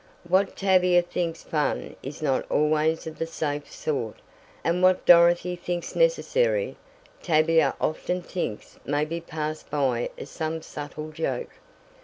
What Tavia thinks fun is not always of the safe sort, and what Dorothy thinks necessary Tavia often thinks may be passed by as some subtle joke.